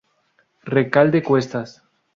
Recalde Cuestas.